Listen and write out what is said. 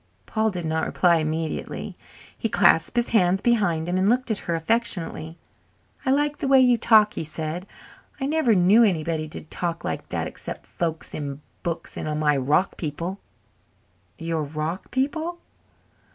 Paul did not reply immediately. He clasped his hands behind him and looked at her affectionately. "I like the way you talk," he said. "I never knew anybody did talk like that except folks in books and my rock people." "Your rock people?"